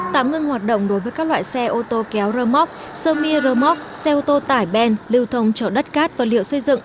tạm dừng hoạt động đối với các loại xe ô tô kéo rơ móc xe mì rơ móc xe ô tô tải ben lưu thông chở đất cát vật liệu xây dựng